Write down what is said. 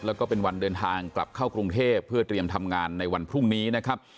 แล้วก็เป็นวันเดินทางกลับเข้ากรุงเทพเพื่อเตรียมทำงานในวันพรุ่งนี้นะครับ